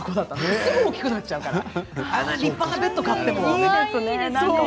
すぐ大きくなっちゃうからあんなに立派なベッドを買っても。